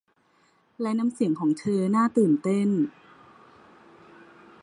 และน้ำเสียงของเธอน่าตื่นเต้น